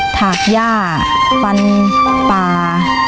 ถากย่าฟันป่า